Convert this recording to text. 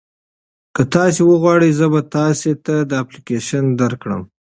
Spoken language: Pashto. که تاسي وغواړئ زه به تاسي ته دا اپلیکیشن درکړم.